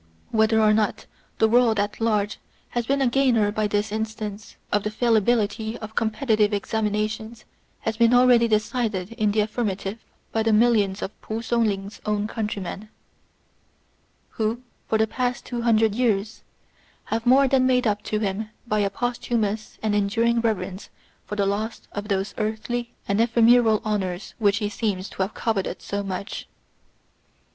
Whether or not the world at large has been a gainer by this instance of the fallibility of com petitive examinations has been already decided in the affirmative by the millions of P'u Sung ling's own countrymen, who for the past two hundred years have more than made up to him by a post humous and enduring reverence for the loss of ^ those earthly and ephemeral honours which he seems to have coveted so much. III. BIBLIOGRAPHICAL.